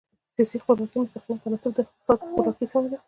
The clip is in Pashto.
سیاسي خپلواکي مستقیم متناسب د اقتصادي خپلواکي سره ده.